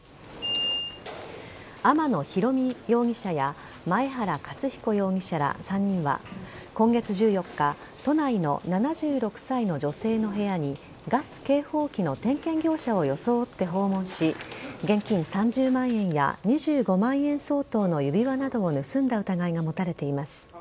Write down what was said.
天野宏海容疑者や前原克彦容疑者ら３人は今月１４日都内の７６歳の女性の部屋にガス警報器の点検業者を装って訪問し現金３０万円や２５万円相当の指輪などを盗んだ疑いが持たれています。